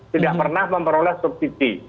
tidak pernah memperoleh subsidi